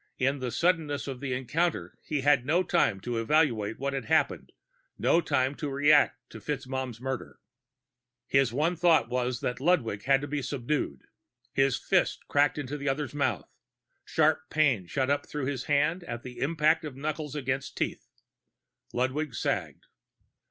In the suddenness of the encounter he had no time to evaluate what had happened, no time to react to FitzMaugham's murder. His one thought was that Ludwig had to be subdued. His fist cracked into the other's mouth; sharp pain shot up through his hand at the impact of knuckles against teeth. Ludwig sagged.